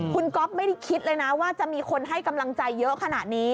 คุณก๊อฟไม่ได้คิดเลยนะว่าจะมีคนให้กำลังใจเยอะขนาดนี้